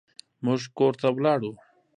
موږ کور ته لاړو.